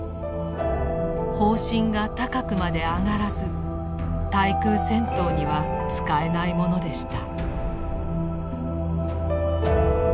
砲身が高くまで上がらず対空戦闘には使えないものでした。